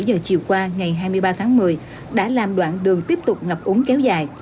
bảy giờ chiều qua ngày hai mươi ba tháng một mươi đã làm đoạn đường tiếp tục ngập úng kéo dài